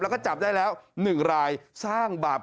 แล้วก็จับได้แล้ว๑รายสร้างบาป